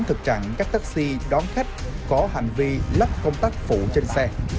thực trạng các taxi đón khách có hành vi lắp công tác phụ trên xe